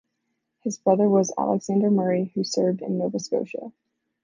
His brother was Alexander Murray who served in Nova Scotia.